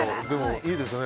いいですね。